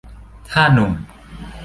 ถ้าหนุ่ม